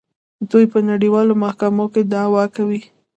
دوی په نړیوالو محکمو کې دعوا کوي.